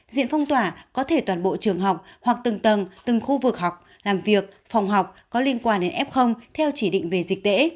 diện phong tỏa có thể toàn bộ trường học hoặc từng tầng từng khu vực học làm việc phòng học có liên quan đến f theo chỉ định về dịch tễ